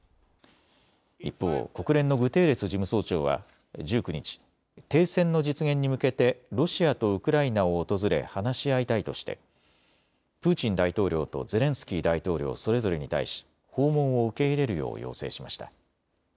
一方、国連のグテーレス事務総長は１９日、停戦の実現に向けてロシアとウクライナを訪れ話し合いたいとしてプーチン大統領とゼレンスキー大統領それぞれに対し訪問を受け入れるよう要請しました。